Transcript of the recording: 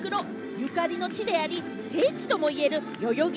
ゆかりの地であり、聖地とも言える代々木